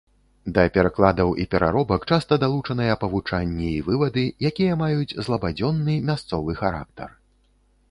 Да перакладаў і пераробак часта далучаныя павучанні і вывады, якія маюць злабадзённы мясцовы характар.